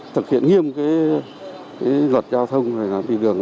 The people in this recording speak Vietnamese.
thực hiện nghiêm luật giao thông